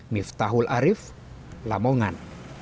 miftahul arif lamongan